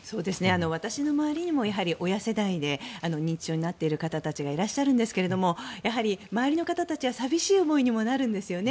私の周りにも親世代で認知症になっている方がいらっしゃるんですが周りの方たちは寂しい思いにもなるんですよね。